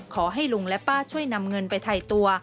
ขอให้ลุงและป้าช่วยนำเงินไปถ่ายตัว